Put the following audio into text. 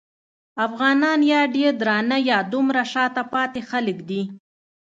افغانان یا ډېر درانه یا دومره شاته پاتې خلک دي.